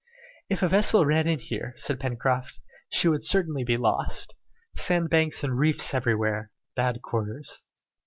"If a vessel ran in here," said Pencroft, "she would certainly be lost. Sandbanks and reefs everywhere! Bad quarters!"